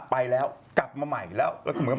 ไปแล้วกลับมาใหม่แล้ว